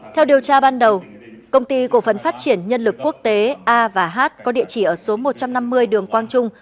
theo điều tra ban đầu công ty cổ phấn phát triển nhân lực quốc tế a và h có địa chỉ ở số một trăm năm mươi đường quang trung